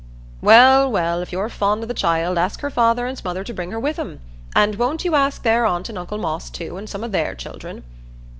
"Well, well, if you're fond o' the child, ask her father and mother to bring her with 'em. And won't you ask their aunt and uncle Moss too, and some o' their children?"